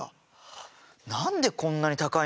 何でこんなに高いのかな？